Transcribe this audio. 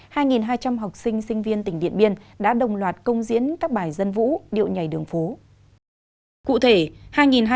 hai hai trăm linh học sinh sinh viên tỉnh điện biên đã đồng loạt công diễn các bài dân vũ điệu nhảy đường phố